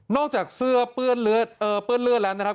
นอกจากเสื้อเปื้อนเลือดเปื้อนเลือดแล้วนะครับ